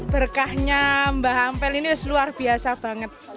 berkahnya mbak ampel ini luar biasa banget